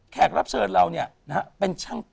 แล้วคุณต้องชอบ